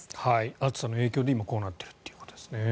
暑さの影響で今こうなっているということです。